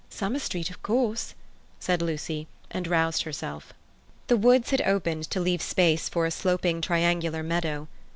"Summer Street, of course," said Lucy, and roused herself. The woods had opened to leave space for a sloping triangular meadow.